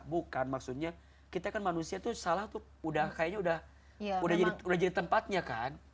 bukan maksudnya kita kan manusia tuh salah tuh udah kayaknya udah jadi tempatnya kan